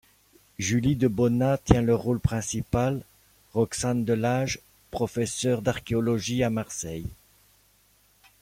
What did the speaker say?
Julie de Bona tient le rôle principal, Roxane Delage, professeur d'archéologie à Marseille.